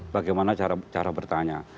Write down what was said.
bagaimana cara bertanya